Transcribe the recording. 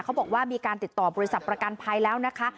เขาบอกว่ามีการติดต่อบริษัทประกันภัยแล้วนะคะ